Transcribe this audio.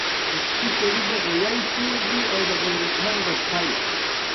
ښایست د ژوند ښکلی خوند دی